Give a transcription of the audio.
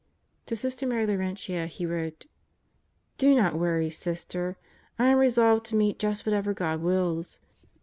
To Sister Mary Laurentia he wrote: Do not wony, Sister, I am resolved to meet just whatever God wills.